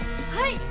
はい！